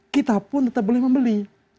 kita pun tetap boleh membeli